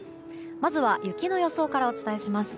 まずは雪の予想からお伝えします。